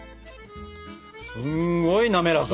すんごいなめらか！